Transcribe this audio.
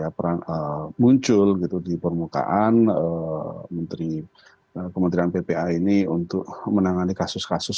perang muncul gitu di permukaan menteri kementerian ppa ini untuk menangani kasus kasus